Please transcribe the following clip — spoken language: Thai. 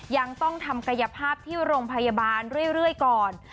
ยังต้องทำกายภาพที่โรงพยาบาลเรื่อยก่อน